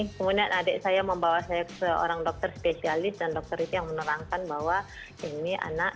kemudian adik saya membawa saya ke seorang dokter spesialis dan dokter itu yang menerangkan bahwa ini anak